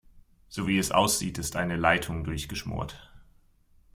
So wie es aussieht, ist eine Leitung durchgeschmort.